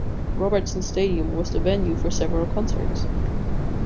Robertson Stadium was the venue for several concerts.